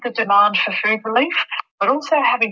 kebutuhan untuk kepercayaan makanan